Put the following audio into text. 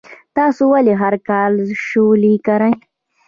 تاسو ولې هر کال شولې کرئ؟